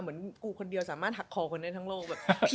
เหมือนจังกูคนเดียวสามารถถักคนหายทั้งโลก